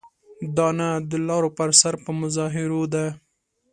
دا نه د لارو پر سر په مظاهرو ده.